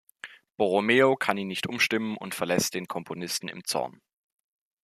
Borromeo kann ihn nicht umstimmen und verlässt den Komponisten im Zorn.